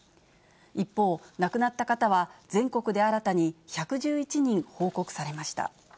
一方、亡くなった方は全国で新たに１１１人報告されました。